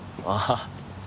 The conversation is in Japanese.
ああ。